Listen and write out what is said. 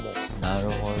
なるほど。